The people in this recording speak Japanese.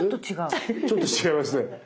ちょっと違いますね。